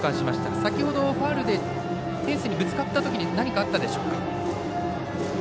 先ほどファウルでフェンスにぶつかったときに何かあったでしょうか。